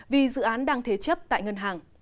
vì dự án đang thế chấp tại ngân hàng